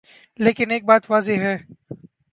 لیکن ایک بات واضح ہے۔